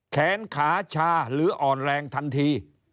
แขนขาชาหรืออ่อนแรงทันที